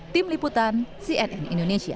tim liputan cnn indonesia